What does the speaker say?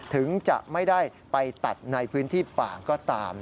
ถึงจะไม่ได้ไปตัดในพื้นที่ป่าก็ตาม